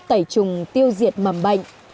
tẩy trùng tiêu diệt mầm bệnh